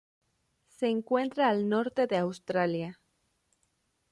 Se encuentra al norte de Australia.